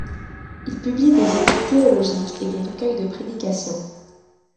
Il publie des écrits théologiques et des recueils de prédication.